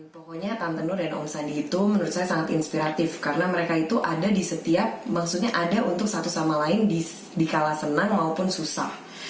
pokoknya tante nur dan om sandi itu menurut saya sangat inspiratif karena mereka itu ada di setiap maksudnya ada untuk satu sama lain di kala senang maupun susah